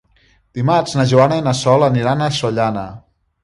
Dimarts na Joana i na Sol aniran a Sollana.